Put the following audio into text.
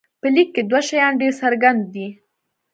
په لیک کې دوه شیان ډېر څرګند دي.